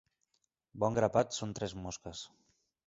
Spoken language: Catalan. Bon grapat són tres mosques.